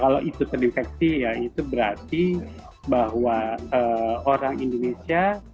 kalau itu terinfeksi ya itu berarti bahwa orang indonesia